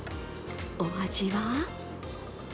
お味は？